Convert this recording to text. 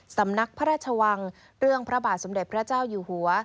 สำนักพระราชวังเรื่องพระบาทสมเด็จพระเจ้าอยู่หัว